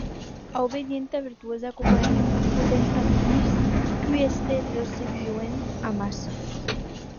Aubedienta e vertuosa coma ei, non pòden ambdús qu’èster erosi viuent amassa.